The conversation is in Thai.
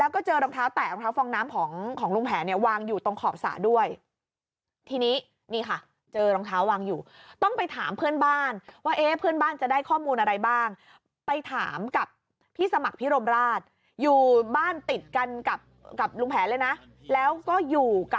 กับลุงแผนเป็นคนสุดท้ายด้วย